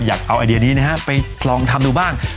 อยากเอาไอเดียนี้นะฮะไปลองทำดูบ้าง